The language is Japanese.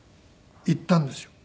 行ったんですよ。